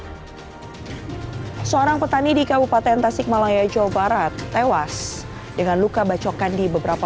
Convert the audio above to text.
hai seorang petani di kabupaten tasikmalaya jawa barat tewas dengan luka bacokan di beberapa